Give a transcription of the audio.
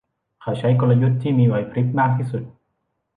เขาใช้กลยุทธ์ที่มีไหวพริบมากที่สุด